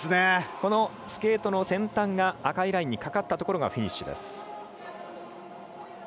スケートの先端が赤いラインにかかったところがフィニッシュです。